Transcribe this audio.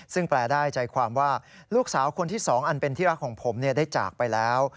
ซึ่งแปลได้ใจความว่าลูกสาวคนที่๒อันเป็นที่รักของผมได้จากไปแล้ว